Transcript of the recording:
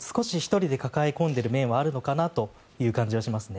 １人で抱え込んでいる面はあるのかなという感じがします。